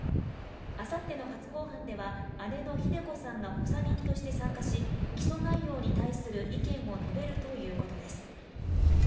あさっての初公判では姉のひで子さんが補佐人として参加し、起訴内容に対する意見を述べるということです